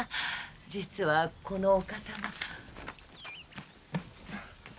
実はこのお方が。